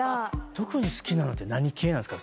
特に好きなの何系なんですか？